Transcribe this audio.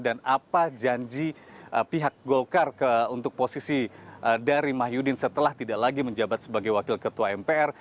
dan apa janji pihak golkar untuk posisi dari mahyudin setelah tidak lagi menjabat sebagai wakil ketua mpr